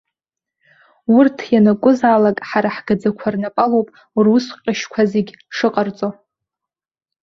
Урҭ ианакәызаалак ҳара ҳгаӡақәа рнапалоуп рус ҟьашьқәа зегьы шыҟарҵо.